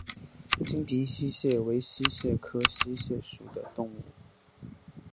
金平溪蟹为溪蟹科溪蟹属的动物。